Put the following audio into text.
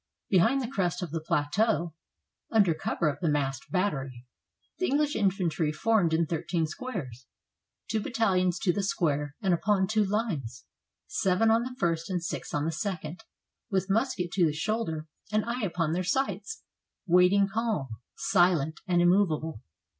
Behind the crest of the plateau, under cover of the masked battery, the English infantry formed in thirteen squares, two battalions to the square and upon two lines — seven on the first and six on the second — with musket to the shoulder, and eye upon their sights, waiting calm, silent, and immovable.